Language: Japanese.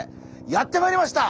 やって参りました。